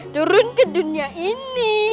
turun ke dunia ini